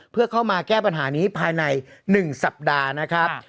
เพื่อเข้ามาแก้ปัญหานี้ภายใน๑สัปดาห์นะครับ